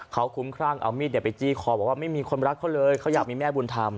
เขาคุ้มครั่งเอามีดไปจี้คอบอกว่าไม่มีคนรักเขาเลยเขาอยากมีแม่บุญธรรม